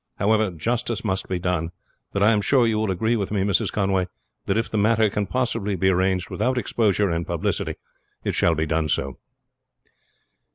However, justice must be done; but I am sure you will agree with me, Mrs. Conway, that if the matter can possibly be arranged without exposure and publicity it shall be done so."